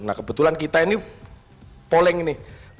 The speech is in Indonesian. nah kebetulan kita ini polling nih